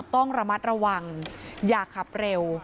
ต้องระมัดระวังอย่าขับเร็ว